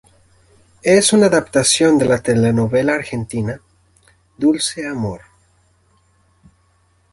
Es una adaptación de la telenovela argentina "Dulce amor".